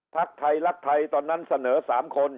ไทยรักไทยตอนนั้นเสนอ๓คน